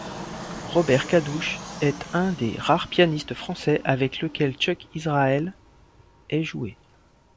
Robert Kaddouch est un des rares pianistes français avec lequel Chuck Israels ait joué.